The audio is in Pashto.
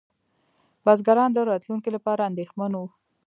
بزګران د راتلونکي لپاره اندېښمن وو.